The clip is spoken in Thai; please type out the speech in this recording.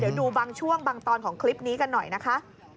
เดี๋ยวดูบางช่วงบางตอนของคลิปนี้กันหน่อยนะคะ